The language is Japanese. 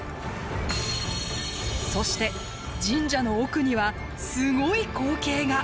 そして神社の奥にはすごい光景が！